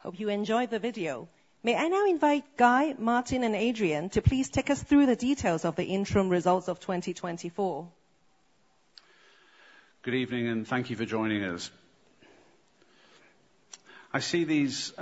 Hope you enjoy the video. May I now invite Guy, Martin, and Adrian to please take us through the details of the interim results of 2024? Good evening, and thank you for joining us. I see these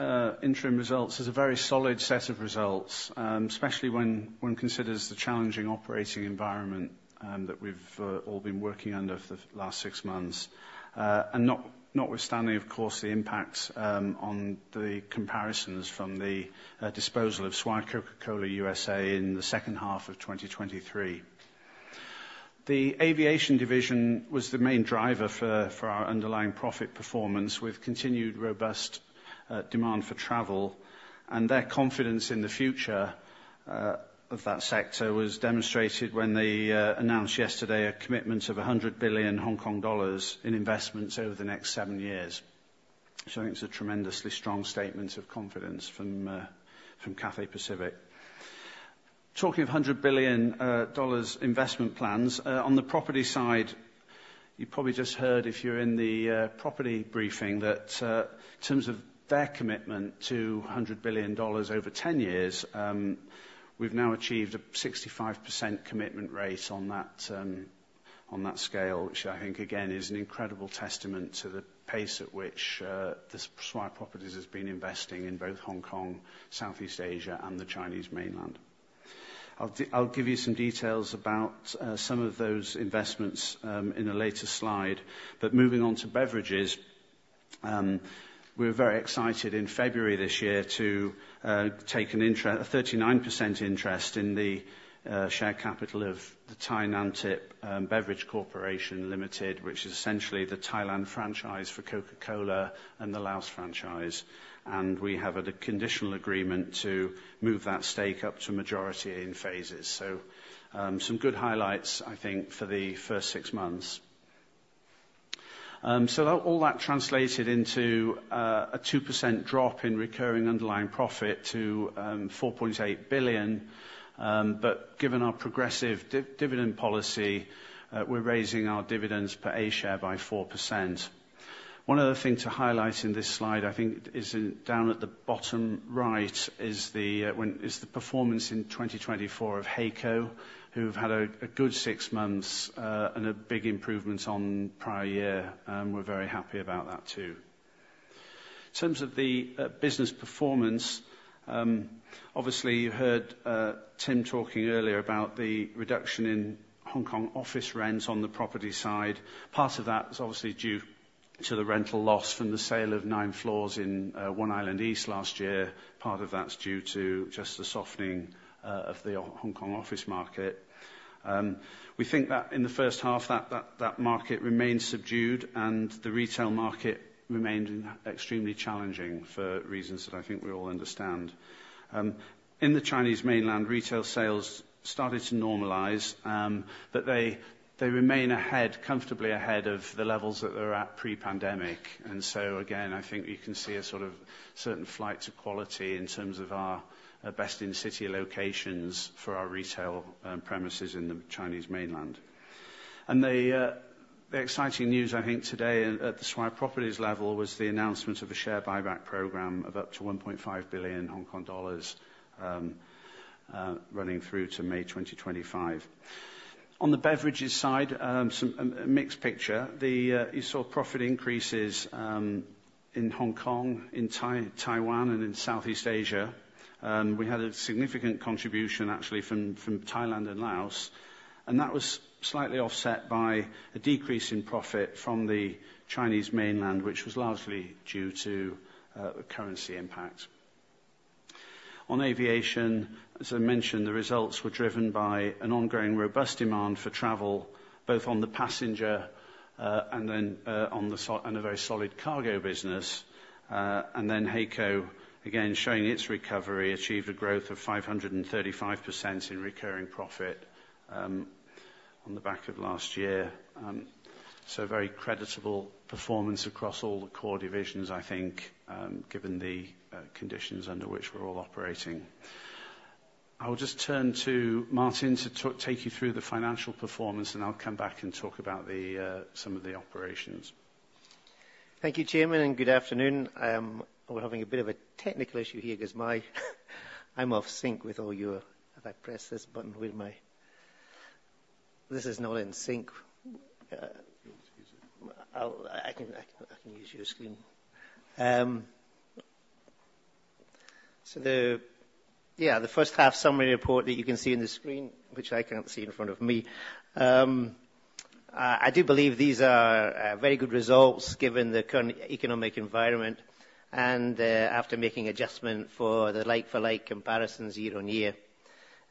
interim results as a very solid set of results, especially when one considers the challenging operating environment that we've all been working under for the last six months, and notwithstanding, of course, the impacts on the comparisons from the disposal of Swire Coca-Cola USA in the second half of 2023. The aviation division was the main driver for our underlying profit performance, with continued robust demand for travel, and their confidence in the future of that sector was demonstrated when they announced yesterday a commitment of HK$100 billion in investments over the next seven years. I think it's a tremendously strong statement of confidence from Cathay Pacific. Talking of HK$100 billion investment plans, on the property side, you probably just heard if you're in the property briefing that in terms of their commitment to HK$100 billion over 10 years, we've now achieved a 65% commitment rate on that scale, which I think, again, is an incredible testament to the pace at which Swire Properties has been investing in both Hong Kong, Southeast Asia, and the Chinese mainland. I'll give you some details about some of those investments in a later slide, but moving on to beverages, we were very excited in February this year to take an interest, a 39% interest, in the share capital of the ThaiNamthip Beverage Corporation Limited, which is essentially the Thailand franchise for Coca-Cola and the Laos franchise, and we have a conditional agreement to move that stake up to majority in phases. So some good highlights, I think, for the first six months. So all that translated into a 2% drop in recurring underlying profit to HK$4.8 billion, but given our progressive dividend policy, we're raising our dividends per A-share by 4%. One other thing to highlight in this slide, I think, is down at the bottom right, is the performance in 2024 of HAECO, who've had a good six months and a big improvement on prior year, and we're very happy about that too. In terms of the business performance, obviously, you heard Tim talking earlier about the reduction in Hong Kong office rents on the property side. Part of that is obviously due to the rental loss from the sale of nine floors in One Island East last year. Part of that's due to just the softening of the Hong Kong office market. We think that in the first half, that market remained subdued, and the retail market remained extremely challenging for reasons that I think we all understand. In the Chinese mainland, retail sales started to normalize, but they remain ahead, comfortably ahead of the levels that they were at pre-pandemic. And so, again, I think you can see a sort of certain flight to quality in terms of our best-in-city locations for our retail premises in the Chinese mainland. And the exciting news, I think, today at the Swire Properties level was the announcement of a share buyback program of up to 1.5 billion Hong Kong dollars running through to May 2025. On the beverages side, a mixed picture. You saw profit increases in Hong Kong, in Taiwan, and in Southeast Asia. We had a significant contribution, actually, from Thailand and Laos, and that was slightly offset by a decrease in profit from the Chinese mainland, which was largely due to currency impacts. On aviation, as I mentioned, the results were driven by an ongoing robust demand for travel, both on the passenger and then on the very solid cargo business. And then HAECO, again, showing its recovery, achieved a growth of 535% in recurring profit on the back of last year. So very creditable performance across all the core divisions, I think, given the conditions under which we're all operating. I will just turn to Martin to take you through the financial performance, and I'll come back and talk about some of the operations. Thank you, Chairman, and good afternoon. We're having a bit of a technical issue here because I'm out of sync with all your. If I press this button with my. This is not in sync. I can use your screen. So yeah, the first half summary report that you can see on the screen, which I can't see in front of me, I do believe these are very good results given the current economic environment and after making adjustment for the like-for-like comparisons year-on-year.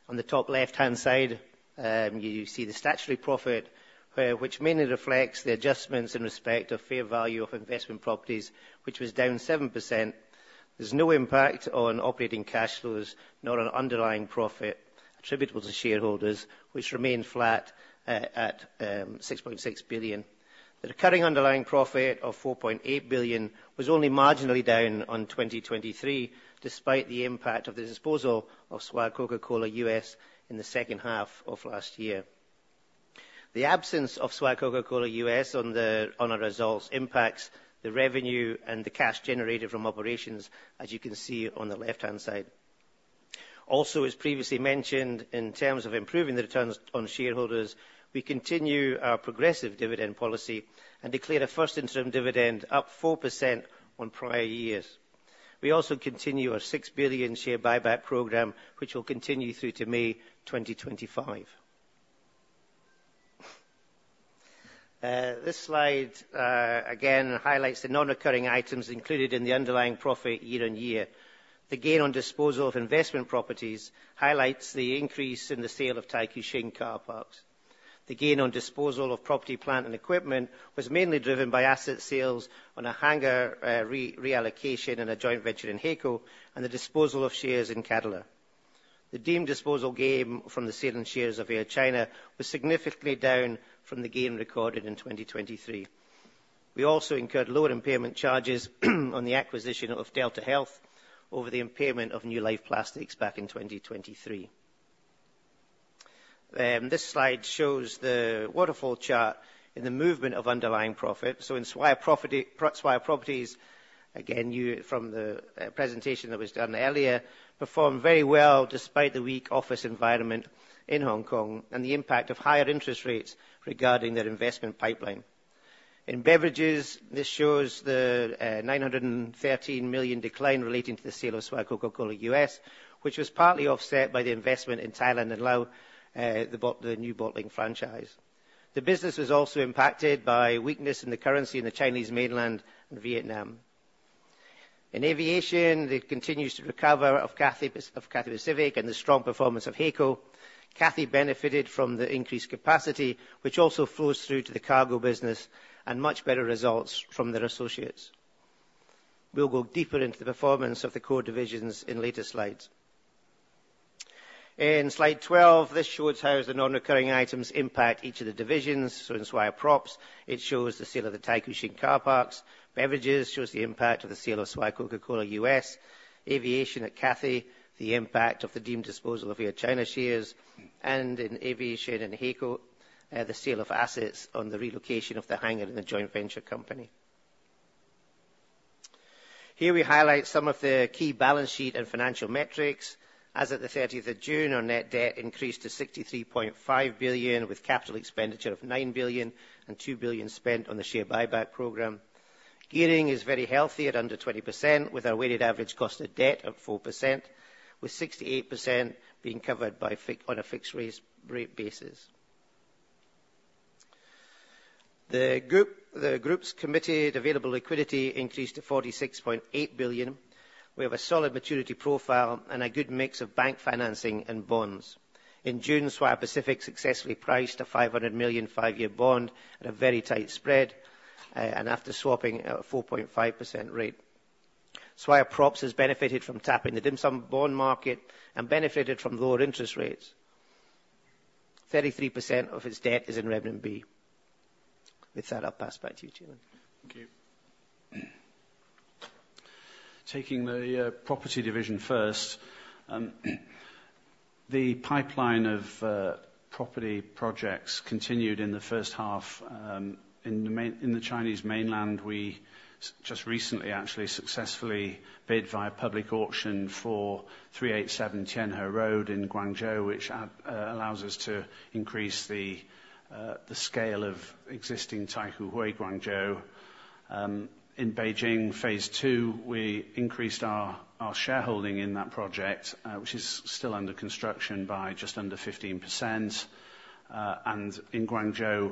On the top left-hand side, you see the statutory profit, which mainly reflects the adjustments in respect of fair value of investment properties, which was down 7%. There's no impact on operating cash flows, not on underlying profit attributable to shareholders, which remained flat at HK$6.6 billion. The recurring underlying profit of HK$4.8 billion was only marginally down in 2023, despite the impact of the disposal of Swire Coca-Cola US in the second half of last year. The absence of Swire Coca-Cola US on our results impacts the revenue and the cash generated from operations, as you can see on the left-hand side. Also, as previously mentioned, in terms of improving the returns on shareholders, we continue our progressive dividend policy and declare a first-interim dividend up 4% on prior years. We also continue our HK$6 billion share buyback program, which will continue through to May 2025. This slide, again, highlights the non-recurring items included in the underlying profit year-on-year. The gain on disposal of investment properties highlights the increase in the sale of Taikoo Shing Car Parks. The gain on disposal of property, plant, and equipment was mainly driven by asset sales on a hangar reallocation and a joint venture in HAECO, and the disposal of shares in Cathay. The deemed disposal gain from the sale in shares of Air China was significantly down from the gain recorded in 2023. We also incurred lower impairment charges on the acquisition of DeltaHealth over the impairment of New Life Plastics back in 2023. This slide shows the waterfall chart in the movement of underlying profit. So in Swire Properties, again, from the presentation that was done earlier, performed very well despite the weak office environment in Hong Kong and the impact of higher interest rates regarding their investment pipeline. In beverages, this shows the HK$913 million decline relating to the sale of Swire Coca-Cola USA, which was partly offset by the investment in Thailand and Laos, the new bottling franchise. The business was also impacted by weakness in the currency in the Chinese mainland and Vietnam. In aviation, it continues to recover off Cathay Pacific and the strong performance of HAECO. Cathay benefited from the increased capacity, which also flows through to the cargo business and much better results from their associates. We'll go deeper into the performance of the core divisions in later slides. In slide 12, this shows how the non-recurring items impact each of the divisions. So in Swire Props, it shows the sale of the Taikoo Shing Car Parks. Beverages shows the impact of the sale of Swire Coca-Cola USA. Aviation at Cathay, the impact of the deemed disposal of Air China shares. In aviation and HAECO, the sale of assets on the relocation of the hangar and the joint venture company. Here we highlight some of the key balance sheet and financial metrics. As of the 30th of June, our net debt increased to HK$63.5 billion, with capital expenditure of HK$9 billion and HK$2 billion spent on the share buyback program. Gearing is very healthy at under 20%, with our weighted average cost of debt of 4%, with 68% being covered on a fixed rate basis. The group's committed available liquidity increased to HK$46.8 billion. We have a solid maturity profile and a good mix of bank financing and bonds. In June, Swire Pacific successfully priced a HK$500 million five-year bond at a very tight spread and after swapping at a 4.5% rate. Swire Props has benefited from tapping the dim sum bond market and benefited from lower interest rates. 33% of its debt is in RMB. With that, I'll pass back to you, Chairman. Thank you. Taking the property division first, the pipeline of property projects continued in the first half. In the Chinese mainland, we just recently actually successfully bid via public auction for 387 Tianhe Road in Guangzhou, which allows us to increase the scale of existing Taikoo Hui Guangzhou. In Beijing, phase two, we increased our shareholding in that project, which is still under construction by just under 15%. And in Guangzhou,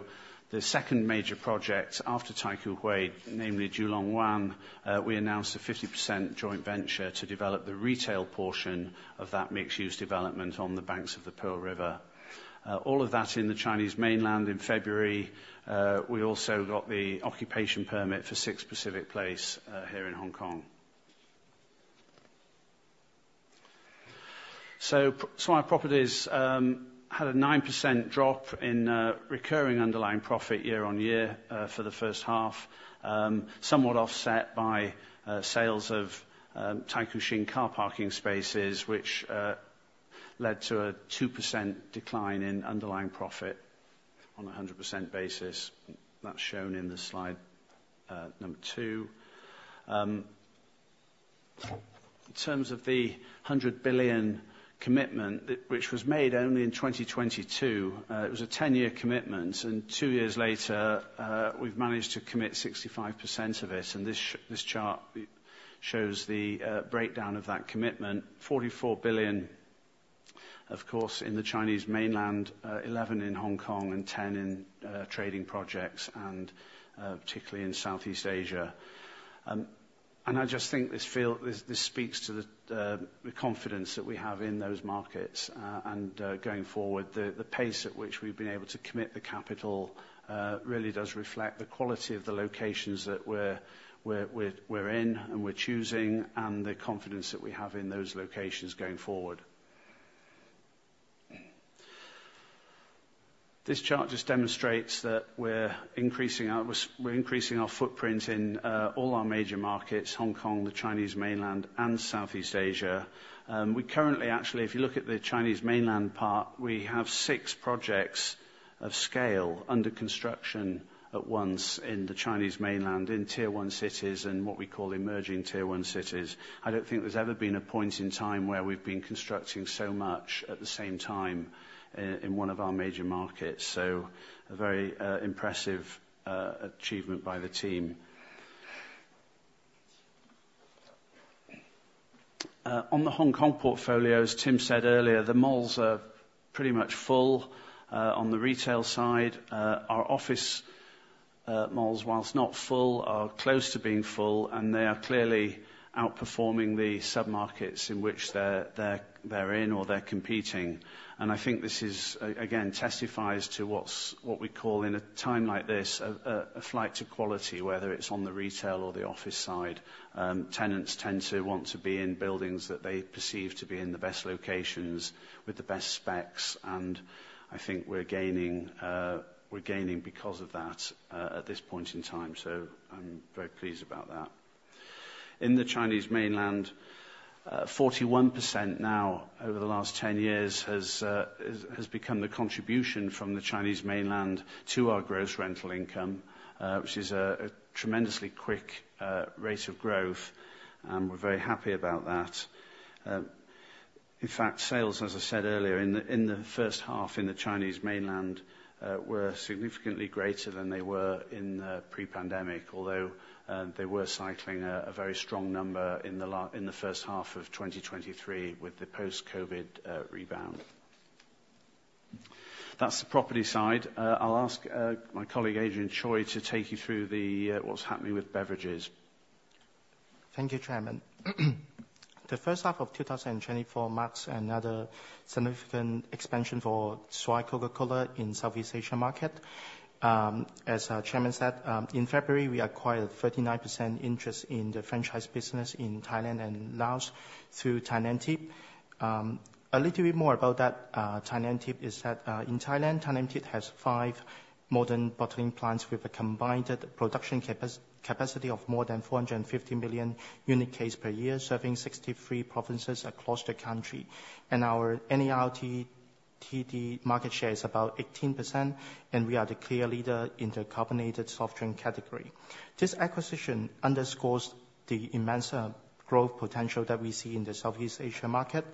the second major project after Taikoo Hui, namely Julongwan, we announced a 50% joint venture to develop the retail portion of that mixed-use development on the banks of the Pearl River. All of that in the Chinese mainland in February. We also got the occupation permit for Six Pacific Place here in Hong Kong. So Swire Properties had a 9% drop in recurring underlying profit year-on-year for the first half, somewhat offset by sales of Taikoo Shing car parking spaces, which led to a 2% decline in underlying profit on a 100% basis. That's shown in the slide number 2. In terms of the 100 billion commitment, which was made only in 2022, it was a 10-year commitment, and two years later, we've managed to commit 65% of it. And this chart shows the breakdown of that commitment: 44 billion, of course, in the Chinese mainland, 11 billion in Hong Kong, and 10 billion in trading projects, and particularly in Southeast Asia. And I just think this speaks to the confidence that we have in those markets. Going forward, the pace at which we've been able to commit the capital really does reflect the quality of the locations that we're in and we're choosing, and the confidence that we have in those locations going forward. This chart just demonstrates that we're increasing our footprint in all our major markets: Hong Kong, the Chinese mainland, and Southeast Asia. We currently, actually, if you look at the Chinese mainland part, we have six projects of scale under construction at once in the Chinese mainland in tier-one cities and what we call emerging tier-one cities. I don't think there's ever been a point in time where we've been constructing so much at the same time in one of our major markets. So a very impressive achievement by the team. On the Hong Kong portfolio, as Tim said earlier, the malls are pretty much full. On the retail side, our office malls, whilst not full, are close to being full, and they are clearly outperforming the submarkets in which they're in or they're competing. And I think this is, again, testifies to what we call in a time like this, a flight to quality, whether it's on the retail or the office side. Tenants tend to want to be in buildings that they perceive to be in the best locations with the best specs. And I think we're gaining because of that at this point in time. So I'm very pleased about that. In the Chinese mainland, 41% now over the last 10 years has become the contribution from the Chinese mainland to our gross rental income, which is a tremendously quick rate of growth. And we're very happy about that. In fact, sales, as I said earlier, in the first half in the Chinese mainland were significantly greater than they were in pre-pandemic, although they were cycling a very strong number in the first half of 2023 with the post-COVID rebound. That's the property side. I'll ask my colleague Adrian Choy to take you through what's happening with beverages. Thank you, Chairman. The first half of 2024 marks another significant expansion for Swire Coca-Cola in the Southeast Asian market. As Chairman said, in February, we acquired a 39% interest in the franchise business in Thailand and Laos through ThaiNamthip. A little bit more about that ThaiNamthip is that in Thailand, ThaiNamthip has five modern bottling plants with a combined production capacity of more than 450 million unit cases per year, serving 63 provinces across the country. Our NARTD market share is about 18%, and we are the clear leader in the carbonated soft drink category. This acquisition underscores the immense growth potential that we see in the Southeast Asian market.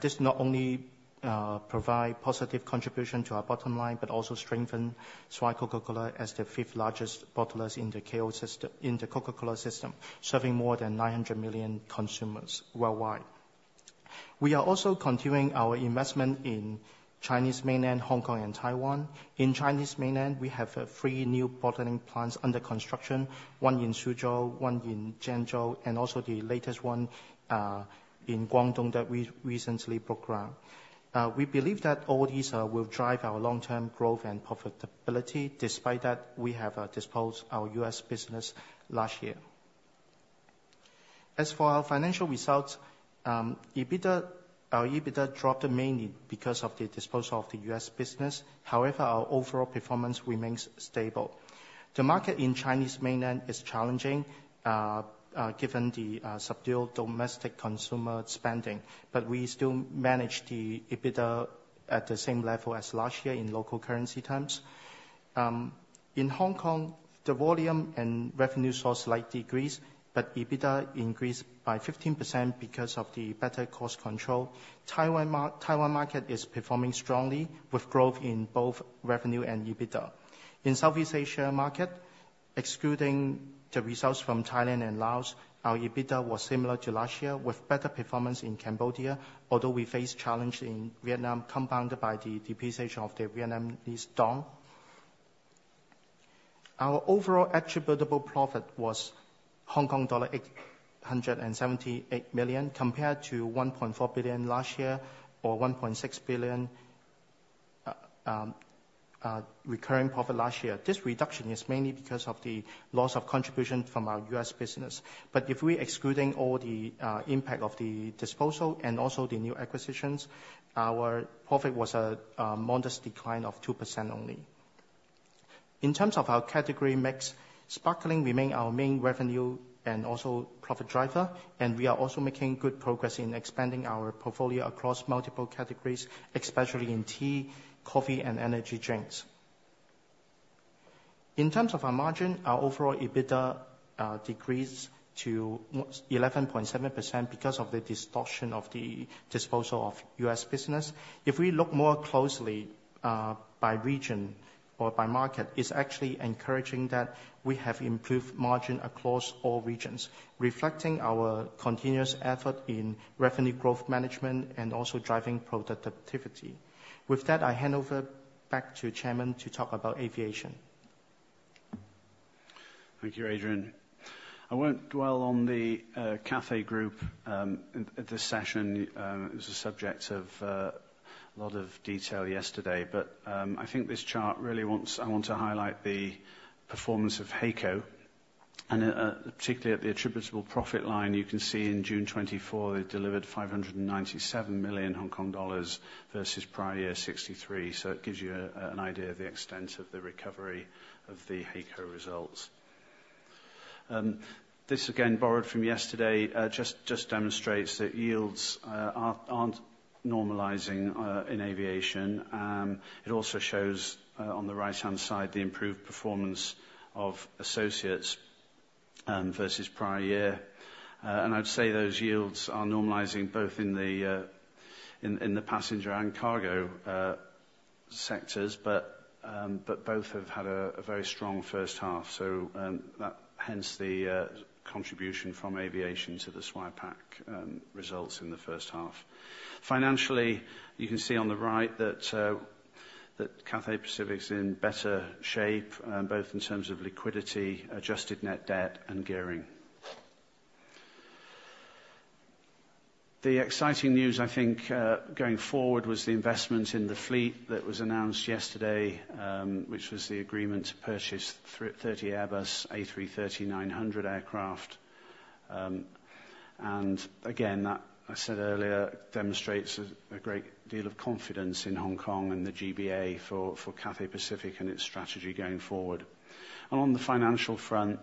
This not only provides a positive contribution to our bottom line, but also strengthens Swire Coca-Cola as the fifth largest bottler in the Coca-Cola system, serving more than 900 million consumers worldwide. We are also continuing our investment in Chinese mainland, Hong Kong, and Taiwan. In Chinese mainland, we have three new bottling plants under construction, one in Suzhou, one in Zhengzhou, and also the latest one in Guangdong that we recently broke ground. We believe that all these will drive our long-term growth and profitability. Despite that, we have disposed of our U.S. business last year. As for our financial results, EBITDA dropped mainly because of the disposal of the U.S. business. However, our overall performance remains stable. The market in Chinese mainland is challenging given the subdued domestic consumer spending, but we still manage the EBITDA at the same level as last year in local currency terms. In Hong Kong, the volume and revenue source slightly decreased, but EBITDA increased by 15% because of the better cost control. The Taiwan market is performing strongly, with growth in both revenue and EBITDA. In the Southeast Asian market, excluding the results from Thailand and Laos, our EBITDA was similar to last year, with better performance in Cambodia, although we faced challenges in Vietnam compounded by the depreciation of the Vietnamese dong. Our overall attributable profit was Hong Kong dollar 878 million compared to 1.4 billion last year or 1.6 billion recurring profit last year. This reduction is mainly because of the loss of contribution from our US business. But if we're excluding all the impact of the disposal and also the new acquisitions, our profit was a modest decline of 2% only. In terms of our category mix, sparkling remains our main revenue and also profit driver, and we are also making good progress in expanding our portfolio across multiple categories, especially in tea, coffee, and energy drinks. In terms of our margin, our overall EBITDA decreased to 11.7% because of the distortion of the disposal of US business. If we look more closely by region or by market, it's actually encouraging that we have improved margin across all regions, reflecting our continuous effort in revenue growth management and also driving productivity. With that, I hand over back to Chairman to talk about aviation. Thank you, Adrian. I won't dwell on the Cathay Group this session. It was the subject of a lot of detail yesterday. I think this chart I want to highlight the performance of HAECO. Particularly at the attributable profit line, you can see in June 2024, they delivered HK$597 million versus prior year HK$63 million. So it gives you an idea of the extent of the recovery of the HAECO results. This, again, borrowed from yesterday, just demonstrates that yields aren't normalizing in aviation. It also shows on the right-hand side the improved performance of associates versus prior year. I'd say those yields are normalizing both in the passenger and cargo sectors, but both have had a very strong first half. So hence the contribution from aviation to the Swire Pacific results in the first half. Financially, you can see on the right that Cathay Pacific is in better shape, both in terms of liquidity, adjusted net debt, and gearing. The exciting news, I think, going forward was the investment in the fleet that was announced yesterday, which was the agreement to purchase 30 Airbus A330-900 aircraft. And again, that, I said earlier, demonstrates a great deal of confidence in Hong Kong and the GBA for Cathay Pacific and its strategy going forward. And on the financial front,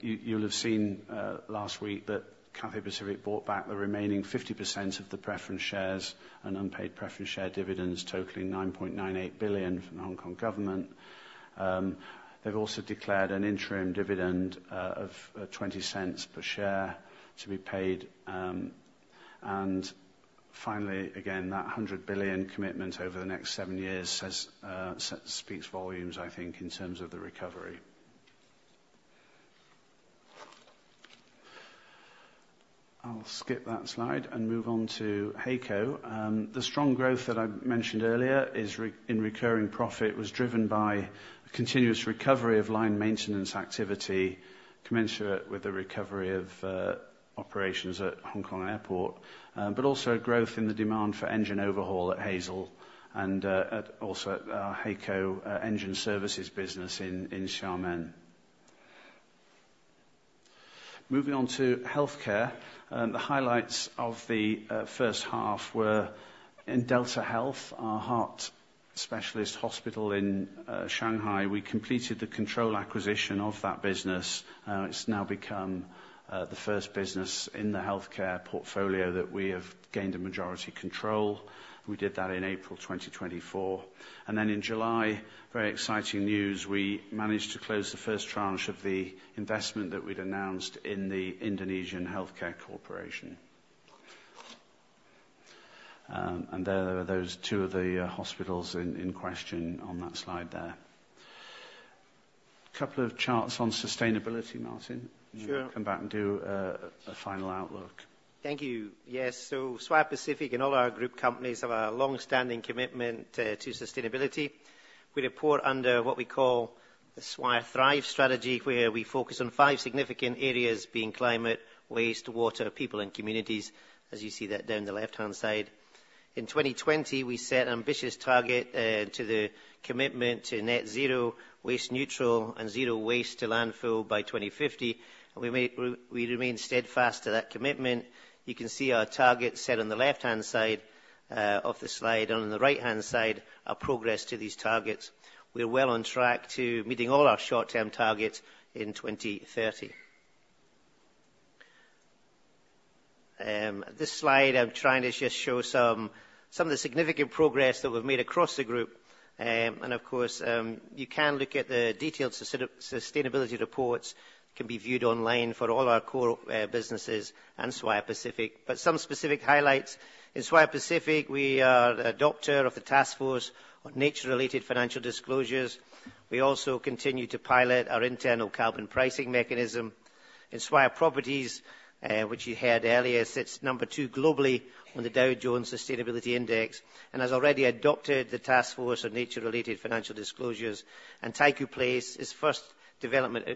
you'll have seen last week that Cathay Pacific bought back the remaining 50% of the preference shares and unpaid preference share dividends, totaling HK$9.98 billion from the Hong Kong government. They've also declared an interim dividend of HK$0.20 per share to be paid. And finally, again, that HK$100 billion commitment over the next seven years speaks volumes, I think, in terms of the recovery. I'll skip that slide and move on to HAECO. The strong growth that I mentioned earlier in recurring profit was driven by a continuous recovery of line maintenance activity commensurate with the recovery of operations at Hong Kong Airport, but also growth in the demand for engine overhaul at HAECO and also at HAECO engine services business in Xiamen. Moving on to healthcare, the highlights of the first half were in DeltaHealth, our heart specialist hospital in Shanghai. We completed the control acquisition of that business. It's now become the first business in the healthcare portfolio that we have gained a majority control. We did that in April 2024. And then in July, very exciting news, we managed to close the first tranche of the investment that we'd announced in the Indonesian Healthcare Corporation. And there were those two of the hospitals in question on that slide there. A couple of charts on sustainability, Martin. Sure. Come back and do a final outlook. Thank you. Yes, so Swire Pacific and all our group companies have a long-standing commitment to sustainability. We report under what we call the Swire Thrive strategy, where we focus on five significant areas being climate, waste, water, people, and communities, as you see that down the left-hand side. In 2020, we set an ambitious target to the commitment to net zero, waste neutral, and zero waste to landfill by 2050. We remain steadfast to that commitment. You can see our target set on the left-hand side of the slide, and on the right-hand side, our progress to these targets. We're well on track to meeting all our short-term targets in 2030. This slide I'm trying to just show some of the significant progress that we've made across the group. Of course, you can look at the detailed sustainability reports that can be viewed online for all our core businesses and Swire Pacific. But some specific highlights: in Swire Pacific, we are the adopter of the Taskforce on Nature-related Financial Disclosures. We also continue to pilot our internal carbon pricing mechanism. In Swire Properties, which you heard earlier, sits number 2 globally on the Dow Jones Sustainability Index and has already adopted the task force on nature-related financial disclosures. Taikoo Place is first development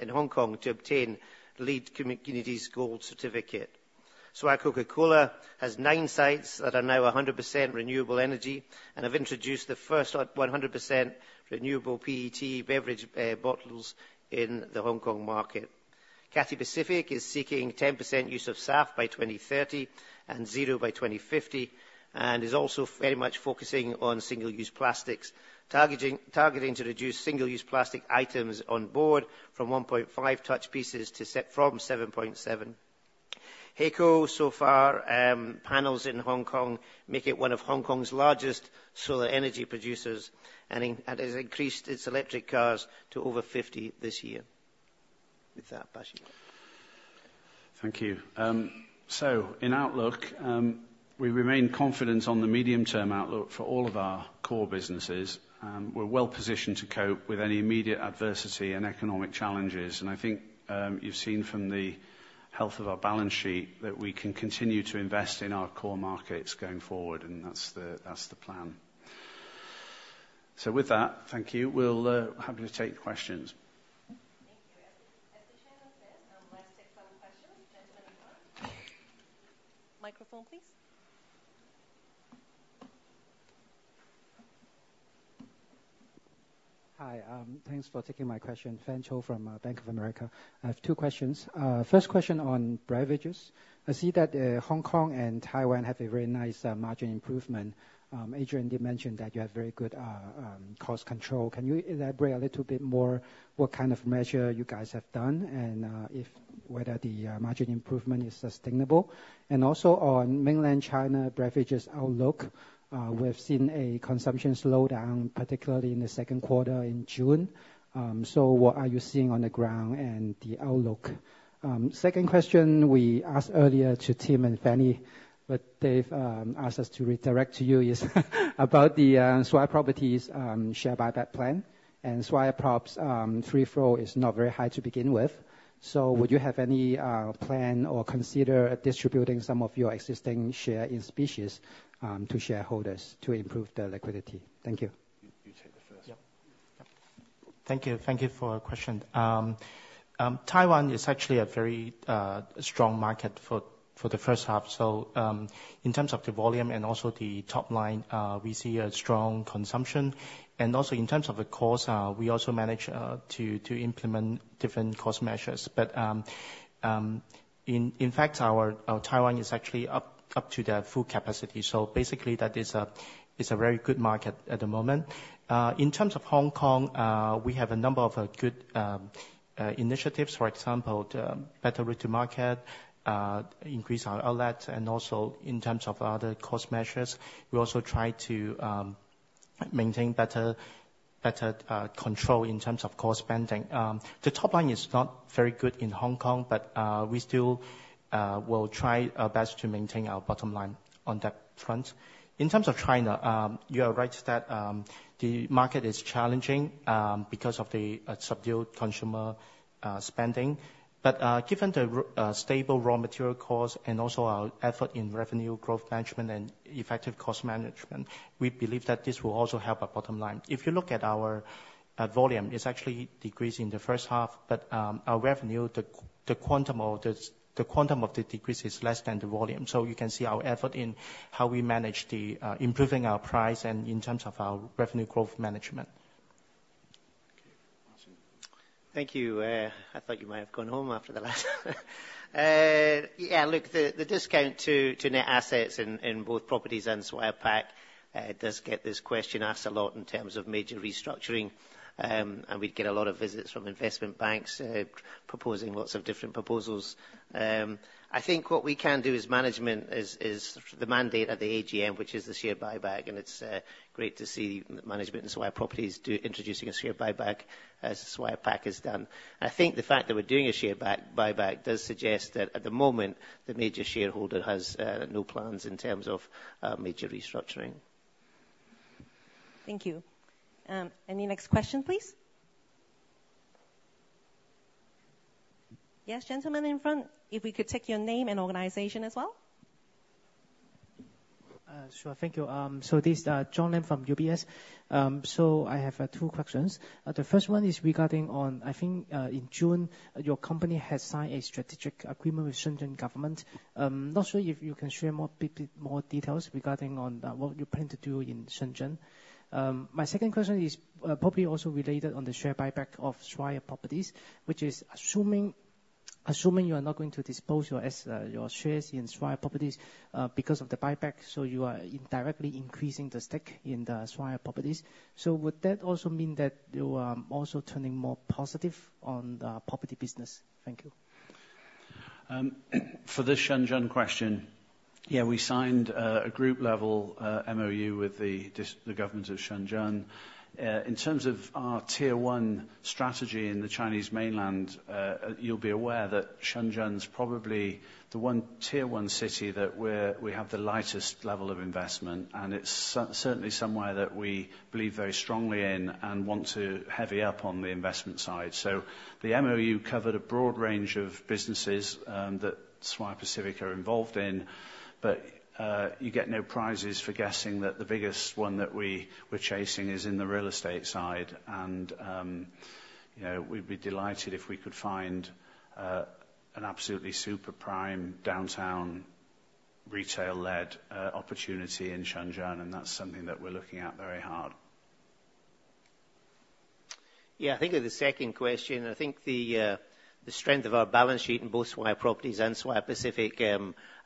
in Hong Kong to obtain the LEED Communities Gold certificate. Swire Coca-Cola has nine sites that are now 100% renewable energy and have introduced the first 100% renewable PET beverage bottles in the Hong Kong market. Cathay Pacific is seeking 10% use of SAF by 2030 and zero by 2050, and is also very much focusing on single-use plastics, targeting to reduce single-use plastic items on board from 15 touch pieces to less than 7.7. HAECO's solar panels in Hong Kong make it one of Hong Kong's largest solar energy producers and has increased its electric cars to over 50 this year. With that, back to you. Thank you. In outlook, we remain confident on the medium-term outlook for all of our core businesses. We're well positioned to cope with any immediate adversity and economic challenges. I think you've seen from the health of our balance sheet that we can continue to invest in our core markets going forward, and that's the plan. With that, thank you. We'll be happy to take questions. Thank you. As the Chairman says, I'm going to take some questions. Gentlemen in front. Microphone, please. Hi. Thanks for taking my question. Fan Tso from Bank of America. I have two questions. First question on beverages. I see that Hong Kong and Taiwan have a very nice margin improvement. Adrian did mention that you have very good cost control. Can you elaborate a little bit more what kind of measure you guys have done and whether the margin improvement is sustainable? And also on mainland China beverages outlook, we've seen a consumption slowdown, particularly in the second quarter in June. So what are you seeing on the ground and the outlook? Second question we asked earlier to Tim and Fanny, but they've asked us to redirect to you is about the Swire Properties share buyback plan. And Swire Props free flow is not very high to begin with. Would you have any plan or consider distributing some of your existing shares in specie to shareholders to improve the liquidity? Thank you. You take the first. Thank you. Thank you for the question. Taiwan is actually a very strong market for the first half. So in terms of the volume and also the top line, we see a strong consumption. And also in terms of the cost, we also manage to implement different cost measures. But in fact, Taiwan is actually up to their full capacity. So basically, that is a very good market at the moment. In terms of Hong Kong, we have a number of good initiatives, for example, better reach to market, increase our outlets, and also in terms of other cost measures, we also try to maintain better control in terms of cost spending. The top line is not very good in Hong Kong, but we still will try our best to maintain our bottom line on that front. In terms of China, you are right that the market is challenging because of the subdued consumer spending. But given the stable raw material costs and also our effort in revenue growth management and effective cost management, we believe that this will also help our bottom line. If you look at our volume, it's actually decreased in the first half, but our revenue, the quantum of the decrease is less than the volume. So you can see our effort in how we manage improving our price and in terms of our revenue growth management. Thank you. I thought you might have gone home after the last. Yeah, look, the discount to net assets in both properties and Swire Pacific does get this question asked a lot in terms of major restructuring. We'd get a lot of visits from investment banks proposing lots of different proposals. I think what we can do as management is the mandate of the AGM, which is the share buyback. It's great to see management in Swire Properties introducing a share buyback as Swire Pacific has done. I think the fact that we're doing a share buyback does suggest that at the moment, the major shareholder has no plans in terms of major restructuring. Thank you. Any next question, please? Yes, gentlemen in front, if we could take your name and organization as well. Sure, thank you. So this is John Lam from UBS. So I have two questions. The first one is regarding, I think in June, your company has signed a strategic agreement with Shenzhen government. Not sure if you can share more details regarding on what you plan to do in Shenzhen. My second question is probably also related on the share buyback of Swire Properties, which is assuming you are not going to dispose of your shares in Swire Properties because of the buyback, so you are indirectly increasing the stake in the Swire Properties. So would that also mean that you are also turning more positive on the property business? Thank you. For the Shenzhen question, yeah, we signed a group-level MOU with the government of Shenzhen. In terms of our tier-one strategy in the Chinese mainland, you'll be aware that Shenzhen's probably the one tier-one city that we have the lightest level of investment. It's certainly somewhere that we believe very strongly in and want to heavy up on the investment side. So the MOU covered a broad range of businesses that Swire Pacific are involved in. But you get no prizes for guessing that the biggest one that we were chasing is in the real estate side. We'd be delighted if we could find an absolutely super prime downtown retail-led opportunity in Shenzhen. That's something that we're looking at very hard. Yeah, I think with the second question, I think the strength of our balance sheet in both Swire Properties and Swire Pacific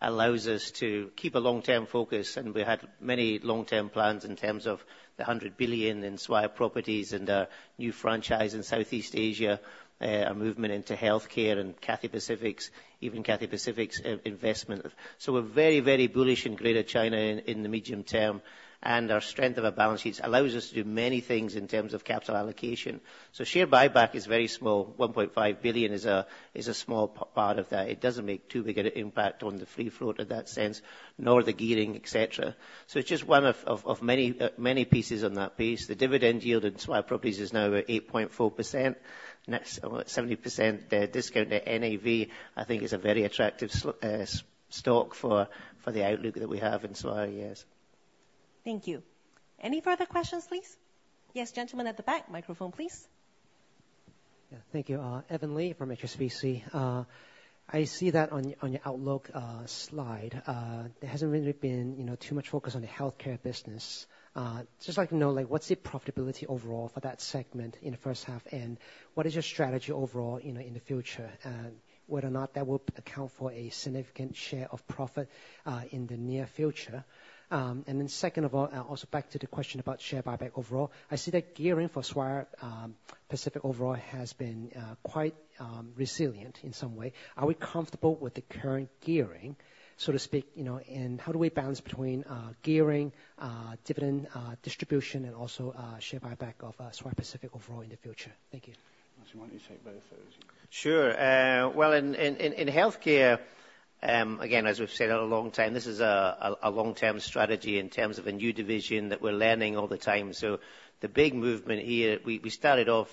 allows us to keep a long-term focus. We had many long-term plans in terms of the 100 billion in Swire Properties and a new franchise in Southeast Asia, a movement into healthcare and Cathay Pacific's, even Cathay Pacific's investment. So we're very, very bullish in Greater China in the medium term. Our strength of our balance sheets allows us to do many things in terms of capital allocation. So share buyback is very small. 1.5 billion is a small part of that. It doesn't make too big an impact on the free float in that sense, nor the gearing, etc. So it's just one of many pieces on that piece. The dividend yield in Swire Properties is now 8.4%. 70% discount to NAV, I think, is a very attractive stock for the outlook that we have in Swire, yes. Thank you. Any further questions, please? Yes, gentlemen at the back, microphone, please. Thank you. Evan Li from HSBC. I see that on your outlook slide. There hasn't really been too much focus on the healthcare business. Just like to know what's the profitability overall for that segment in the first half, and what is your strategy overall in the future, whether or not that will account for a significant share of profit in the near future. And then second of all, also back to the question about share buyback overall, I see that gearing for Swire Pacific overall has been quite resilient in some way. Are we comfortable with the current gearing, so to speak? And how do we balance between gearing, dividend distribution, and also share buyback of Swire Pacific overall in the future? Thank you. Martin, you take both of those. Sure. Well, in healthcare, again, as we've said a long time, this is a long-term strategy in terms of a new division that we're learning all the time. So the big movement here, we started off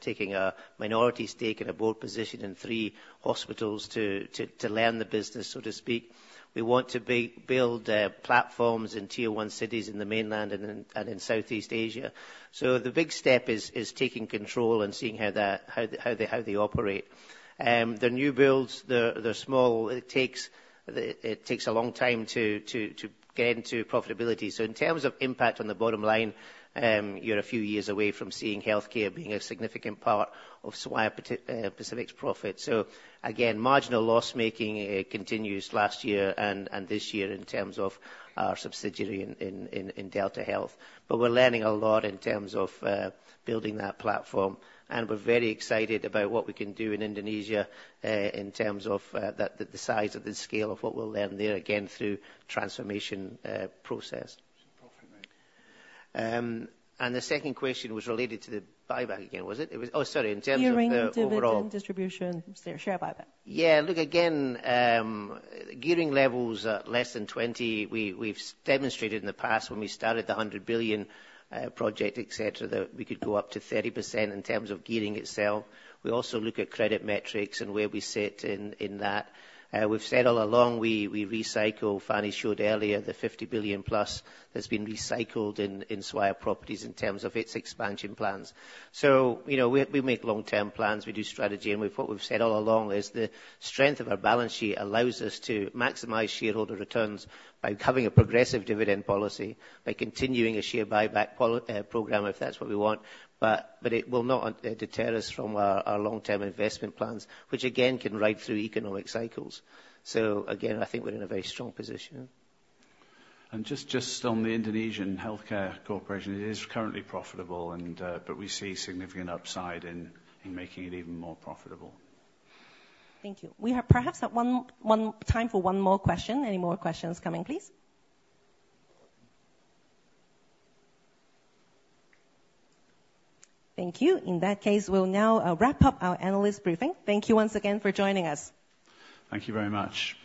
taking a minority stake in a board position in three hospitals to learn the business, so to speak. We want to build platforms in tier-one cities in the mainland and in Southeast Asia. So the big step is taking control and seeing how they operate. The new builds, they're small. It takes a long time to get into profitability. So in terms of impact on the bottom line, you're a few years away from seeing healthcare being a significant part of Swire Pacific's profit. So again, marginal loss-making continues last year and this year in terms of our subsidiary in Delta Health. But we're learning a lot in terms of building that platform. We're very excited about what we can do in Indonesia in terms of the size of the scale of what we'll learn there again through the transformation process. The second question was related to the buyback again, was it? Oh, sorry, in terms of the overall. Gearing, dividend distribution, share buyback. Yeah, look, again, gearing levels are less than 20%. We've demonstrated in the past when we started the HK$ 100 billion project, etc., that we could go up to 30% in terms of gearing itself. We also look at credit metrics and where we sit in that. We've said all along we recycle, Fanny showed earlier, the HK$ 50 billion plus that's been recycled in Swire Properties in terms of its expansion plans. So we make long-term plans, we do strategy. And what we've said all along is the strength of our balance sheet allows us to maximize shareholder returns by having a progressive dividend policy, by continuing a share buyback program if that's what we want. But it will not deter us from our long-term investment plans, which again can ride through economic cycles. So again, I think we're in a very strong position. Just on the Indonesian Healthcare Corporation, it is currently profitable, but we see significant upside in making it even more profitable. Thank you. We are perhaps at one time for one more question. Any more questions coming, please? Thank you. In that case, we'll now wrap up our analyst briefing. Thank you once again for joining us. Thank you very much.